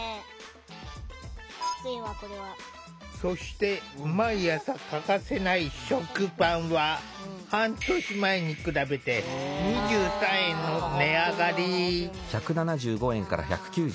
そして毎朝欠かせない食パンは半年前に比べて２３円の値上がり。